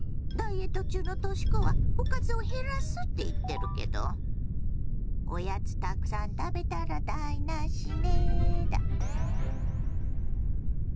ダイエット中のとし子はおかずを減らすって言ってるけどおやつたくさん食べたら台なしねだ。